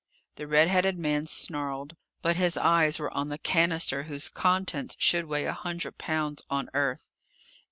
The red headed man snarled. But his eyes were on the cannister whose contents should weigh a hundred pounds on Earth.